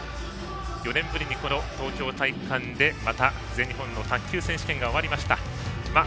４年ぶりに東京体育館で全日本卓球選手権が終わりました。